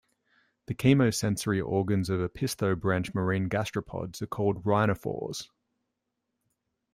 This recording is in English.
The chemosensory organs of opisthobranch marine gastropods are called rhinophores.